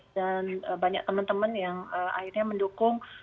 dan banyak teman teman yang akhirnya mendukung